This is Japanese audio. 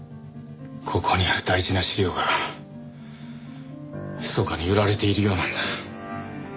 ここにある大事な資料がひそかに売られているようなんだ。